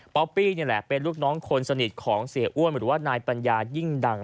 ปี้นี่แหละเป็นลูกน้องคนสนิทของเสียอ้วนหรือว่านายปัญญายิ่งดัง